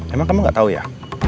emang kamu gak tahu ya